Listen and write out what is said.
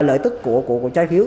lợi tức của trái phiếu